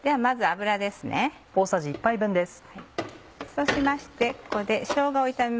そうしましてここでしょうがを炒めます。